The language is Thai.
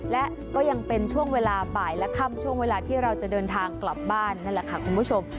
และก็ยังเป็นช่วงเวลาบ่ายและค่ำช่วงเวลาที่เราจะเดินทางกลับบ้านนั่นแหละค่ะคุณผู้ชม